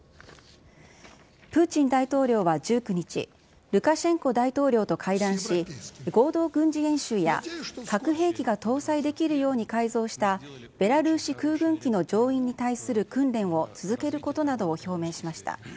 プーチン大統領は１９日、ルカシェンコ大統領と会談し、合同軍事演習や核兵器が搭載できるように改造したベラルーシ空軍機の乗員に対する訓練を続けることなどを表明しました。